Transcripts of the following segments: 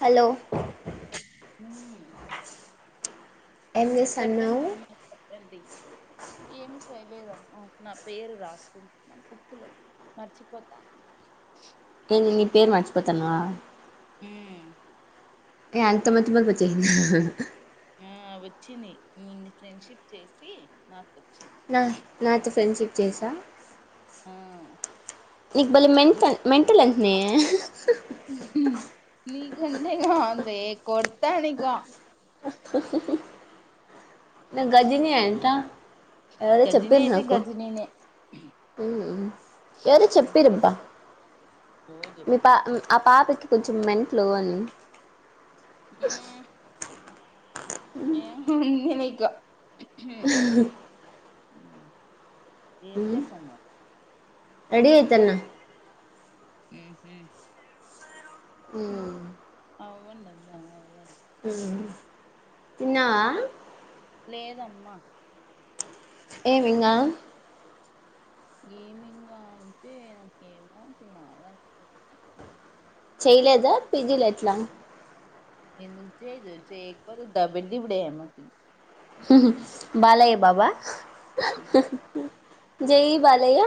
Hello ఏం చేస్తన్నావు చెప్పండి అమ్మా చెప్పండి ఏమి చేయలేదండి నా పేరు రాసుకుంటున్నా బుక్ లో మర్చిపోతాను టీవీ పేరు మరిచిపోతనవా ఉమ్, ఏ అంత మతి మరుపు వచ్చేసిందా ఆ వచ్చింది నీ ఫ్రెండ్షిప్ చేసి నాకు వచ్చింది నాతో ఫ్రెండ్షిప్ చేసా హ నీకు భలే మెంటల్ అంటనే నీ కంటే కాదు లేవే కొడుతా నీకా నేను గజినీ అంట ఎవరో గజిని చెప్పరు అయితే నాకు గజినీనే ఎవరో చెప్పిన్ రబ్బా ఏదో చెప్పింది ఆ పాపకి కొంచెం మెంట్లు మ్మ్ ఏముంది ఏ ఇకా ఏం చేస్తన్నావ్ రెడి అయితన్నా మ్మ్ హ్హ్ మ్మ్ అవ్వు నువ్వు రెడీ మ్మ్ తిన్నావా లేదమ్మా ఏమింగా ఏమింగా అంటే నాకు ఏమో తినాలని లేదు చెయలేదా పిజీలు ఎట్లా ఎందుకు చేయ్యదు చెత్తరు డబుడుదిబిడే మనకి బాలయ్య బాబా జయ్ బాలయ్య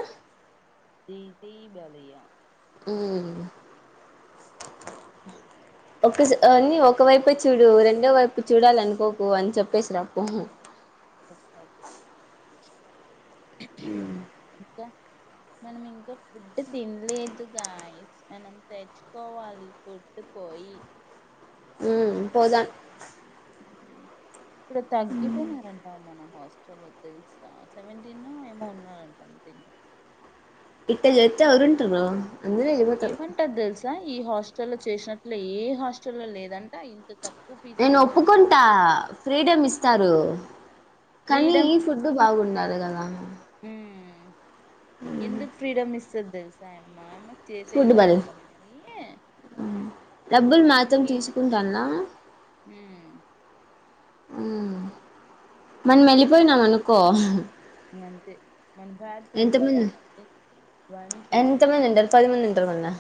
జై జై బాలయ్య మ్మ్ ఒక అన్ని ఒకవైపే చూడు రెండో వైపు చూడాలి అనుకోకు అని చెప్పేసిర అప్పుడు కా ఇంకా ఆ మనం ఇంకా ఫుడ్ తినలేదుగా మనం తెచ్చుకోవాలి పోయి ఫుడ్ ని వయి మ్మ్ పోదాం ఇప్పుడు తగ్గిపోయినారంటా మన హౌస్ చ తెలుస్తా సెవెంటీన్ ఏమో ఉన్నంట అన్థంకా ఇట్ట జతేవరుంటరు ఏమంటారు తెలుసా ఈ హాస్టల్ చేసినట్లు ఏ హాస్టల్ లేదని నేను ఒప్పుకుంటా ఫ్రీడమ్ ఇస్తారు కానీ ఈ ఫుడ్డు బాగుండదు కదా ఉ ఎందుకు ఫ్రీడమ్ ఇస్ ద విసామ్మా చేసే బధకం మరి డబ్బుల్ మాత్రం తీసుకుంటాలా ఉమ్ మన మళ్ళిపోయినాం అనుకో అంతే మన భారతంత వెళ్తే అంత ఎంత మ మంట పదిమూను మింట మన్నా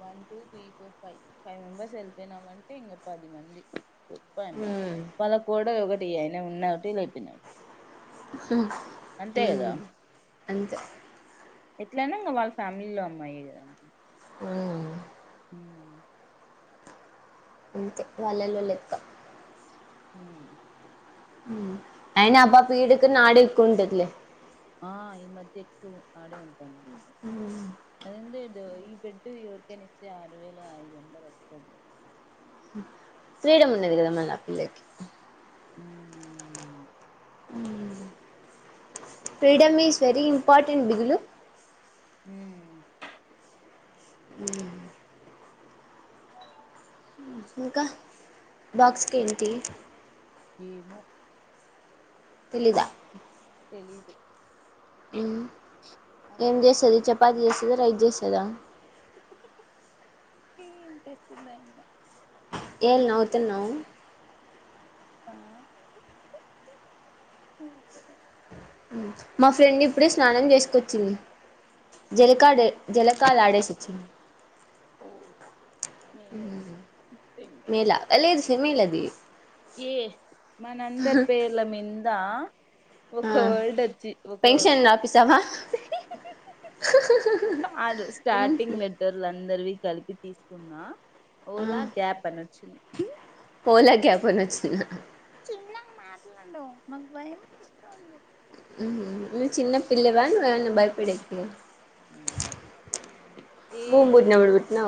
one two three four five five members వెళ్తునామంటే ఇంక పది మంది చెప్ప ఉమ్ వాళ్ళ కూడా ఒకటి అయినా ఉన్నటి లేపోయిన అంతే ఎట్లయినా ఇంకా వాళ్ళ ఫ్యామిలీ లో అమ్మాయి కద ఉమ్ అంతే వాళ్ళల్లో లెక్క హ అయిన అబా పీడకి నా ఆడకుంటల ఆ ఈ మధ్య ఎక్కువ ఆడే ఉంటుంది అదింట ఇ ఈ బెడ్డు ఇవర్కనిస్తే ఆరు వేలు ఐదు గంటలు వక్తుది ఫ్రీడమ్ ఉన్నది కదమ్ నా పిల్లకి హ ఫ్రీడమ్ ఈస్ వెరీ ఇంపార్టెంట్ బిగులు హ ఆ ఇంకా బాక్స్కి ఏంటి ఏమో తెలిదా తెలీదు ఏం చేస్తుది చపాతి చేస్తుంది రైట్ చేస్తు ఎదా ఏం చేస్తుంద ఇన్న ఏళ్ నవుతున్నావు ఆ మా ఫ్రెండ్ ఇప్పుడే స్నానం చేసుకొచ్చింది జలకాడ జలకాల ఆడేశచ్చంది ఓ మేలే తిండి మేలా అ లేదు సే మేలదివి ఏ మనందర్ పేర్ల మీందా ఆ ఒకవేల్డ్చ ఒక పెన్షన్ రాపిస్తావా అ స్టార్టింగ్ లెటర్లు అందరివి కలిపి తీసుకున్నా ఆ ఓలా గ్యాప్ అని వచ్చింది ఓలా క్యాబ్ ప వచ్చి ఎ మాటండ మగవ మా ఇష్ట నువ్ చిన్న పిల్లవాళ బయ ప హ్మ్ బూబూడి నమిడుబట్నా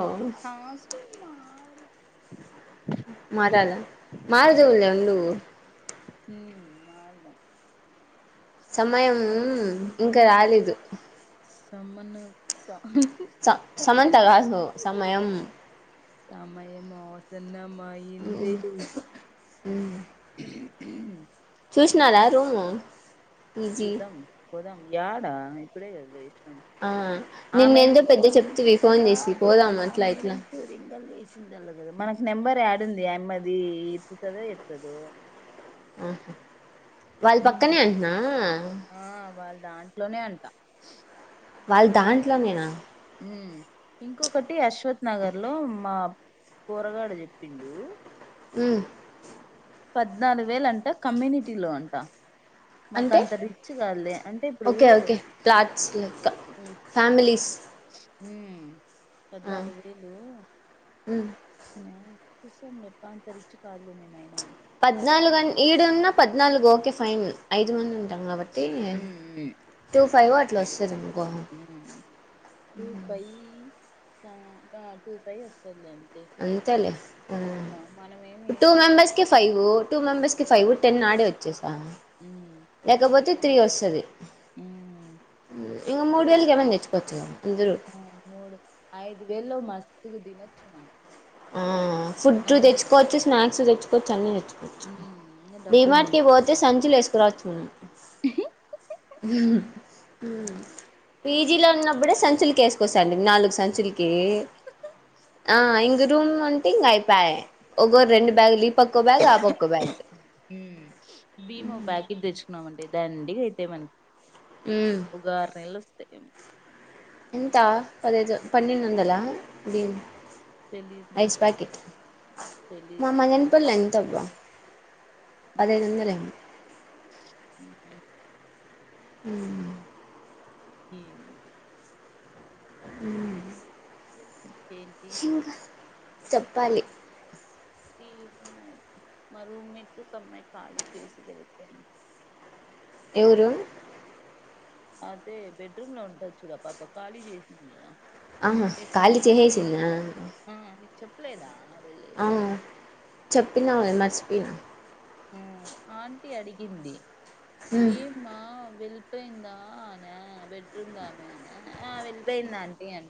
ఆ సమా అద మారాలా మారుదవులే ఉళ్ళ హ మాలుదా సమయం ఇంకా రాలేదు సమను స స సమంత గాదు సమయం సమయం ఆసన్నమైంది చూష్నారా రూమ్ చూద్దాం, పోదాం యాడా ఇప్పుడే కదే ఆ నిన్నెందో పెద్ద చెప్తివి ఫోన్ జేసి కాదు పోదాం అట్లా ఇట్లా మనకి నెంబర్ యాడుంది ఆయమ్మది ఎత్తుతుదే ఎత్తదో ఆహా వాళ్ళ పక్కనే ఉంటున్నవా ఆ వాళ్ళ దాంట్లోనే అంటా వాళ్ దాంట్లో నేనా ఇంకొకటి అశ్వథ్ నగర్ లో మా పొరగాడు చెప్పిండు ఉమ్ పద్నాలుగు వేలంట, కమ్యూనిటీ లో అంట మాకు అంటే? అంత రిచ్ కాదులే అంటే ఇప్పుడు ఓకే ఓకే ప్లాట్స్ లెక్క ఫ్యామిలీస్ ఉమ్ ఆ పద్నాలుగు వేలు ఉమ్ యా చూసాంలే బ్బా అంతరిచ్చు కాదులేమేమైనా పద్నాలుగన్ ఈడున్నా పద్నాలుగు ఓకే ఫైన్ ఐదు మంది ఉన్ టం కాబట్టి ఉమ్ టూ ఫైవ్ అట్లోస్తదనుకో టూ ఫైయీ టూ ఫై వస్తద్లేండి మనమేమి టూ మెంబర్స్ కి ఫైవ్, టూ మెంబర్స్ కి ఫైవ్ టెన్ ఆడే వచ్చేసాయ్ ఉమ్ లేకపోతే త్రీ వస్తది ఉమ్ ఇంగ మూడు తే వేలకి ఏమన్న తెచ్చుకోవచ్చు గద అందరూ ఆ కుగు దినచ్చు మనం ఆ ఫుడ్డు కానీ దెచ్చుకోవచ్చు స్నాక్స్ దెచ్చుకోవచ్చు అన్నీ తెచ్చు ఇంగ డి డబ్బులు మార్ట్ కి మిగి బోతే సంచులేసుకురావచ్చు మనం ఆ పిజిలో ఉన్నప్ ప్పుడు సంచుల్కి ఏస్కోస్థాంటిమి నాలుగు సంచుల్కి ఆ ఇంగ రూమ్ అంటే ఇంగయిపాయే ఒగో రెండు బ్యాగు పక్కో బ్యాగ్ ఆ పక్కో బ్యాగ్ న్నామండి దండిగయితే మనకి బ్యాగ్ ఒగారు నెల్లో స్తయేమొ ఎంతా పదైదు పన్నెండోమ్దల బియం తెలీదు ఎగ్స్ నాకు ప్యాకెట్ తెలీదు మామదనపల్లో ఎంతబ్బా పదైదొందలైంది ఉమ్ హ్ ఏమో ఉమ్ ఇంకేంటి చెప్పాలి టేమున్నాయ్ మా రూమ్మేట్ కమ్మాయ్ కాలీ చేసి వెళ్తుంది ఎవరూ? అదే బెడ్రూమ్ లో ఉంటద చూడు ఆ పాప ఖాళీ చేసింది ఆహా ఖాళీ చేసేసిందా? లేదాబ్ ఆ చెప్పినావు నేమర్చిపోయినా ఉమ్ ఆంటీ అడిగింది ఉమ్ ఏమ్మా వెల్ వెళ్ళపోయిందా ఆమా బెడ్రూమ్లామె అన ఆ వెళ్ళిపోయిందాంటీ అన్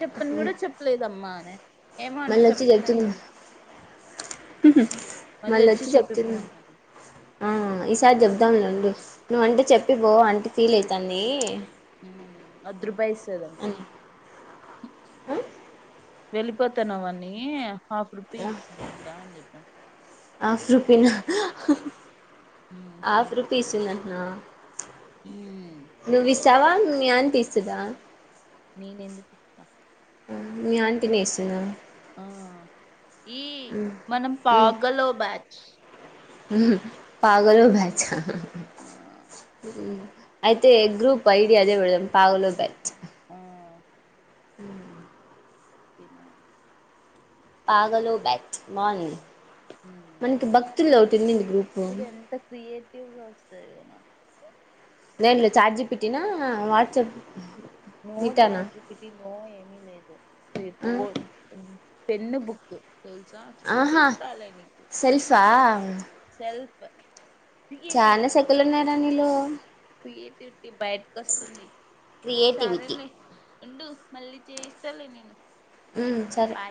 చెప్పన్ గూడ చెప్పలేదమ్మా అని, ఏమో అంటే మళ్ళొచ్చి చెప్పిందనుకున్నా మళ్ళచ్చి చెప్తుంది చెప్పిపోమన్నాను ఆ ఈసారి చెప్దాం వుండు నువ్ అంట చెప్ చెప్పి బో ఆంటి ఫీల్ అయితాంది ఉమ్ అద్దృపాయి ఇస్తదంట్ అని వెళ్ళిపోతానువన్నీ హాఫ్ రూపీ ఆ ఇస్తుందంట అని చెప్దాం హాఫ్ మ్మ్ హాఫ్ చెయ్ రూపీస్ందంటనా నువ్ ఇస్తావా న అనిపిస్తుదా నేను ఎందు తీతా ను ఇ త వేస్తుిన ఆ ఈ మనం పాగలో బ్యాచ్ పాగల భ్యాచ్చ ఆ అయితే గ్రూప్ ఐడియా అదే పెడదాం పాగలో బ్యాచ్ ఆ అ కేనా పాగ బ బాగుంది మ్మ్ మనకి భక్తుల్లో ఒకటిందింది చూడు ఎంత క్రియేటివ్గా వస్తాయో నాకు లేేంలో చాట్ జిపిటినా WhatsApp no chat GPT no ఏమిీ లేదు పెన్ను బుక్ తెలుసా ఆహా చూపిస్తాల నీకు సెల్ఫా సెల్ఫ్ చాలా సెకులు ఉన్నాారా నీళ ఫటిటి బయటకు వస్తుంది క్రియేటివిటీ సరేలే ఉండు మళ్ళీ చేయిస్తాలే నేను అ సరే బాయ్